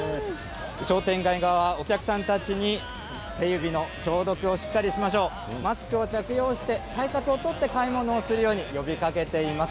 商店街側、お客さんたちに、手指の消毒をしっかりしましょう、マスクを着用して対策を取って買い物をするように、呼びかけています。